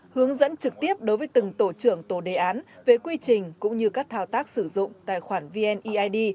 hướng dẫn trực tiếp đối với từng tổ trưởng tổ đề án về quy trình cũng như các thao tác sử dụng tài khoản vneid